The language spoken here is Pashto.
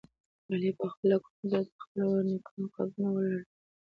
علي په خپلو کړنو سره د خپلو نیکونو قبرونه ولړزول.